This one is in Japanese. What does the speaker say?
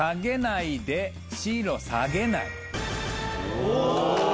お！